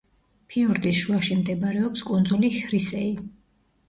ფიორდის შუაში მდებარეობს კუნძული ჰრისეი.